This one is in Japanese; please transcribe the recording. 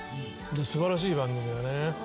素晴らしい番組だね。